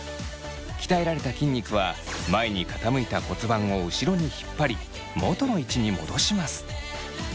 鍛えられた筋肉は前に傾いた骨盤を後ろに引っ張り元の位置に戻します。